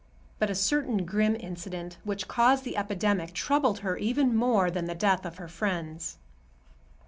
But a certain grim incident, which caused the epidemic, troubled her even more than the death of her friends.